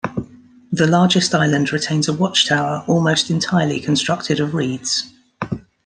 The largest island retains a watchtower almost entirely constructed of reeds.